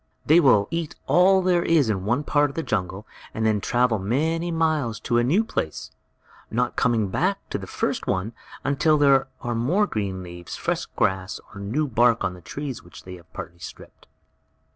They will eat all there is in one part of the jungle, and then travel many miles to a new place, not coming back to the first one until there are more green leaves, fresh grass, or new bark on the trees which they have partly stripped.